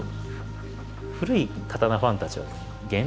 古い刀ファンたちはですね